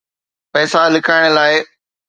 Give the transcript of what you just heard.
پئسا لڪائڻ لاءِ.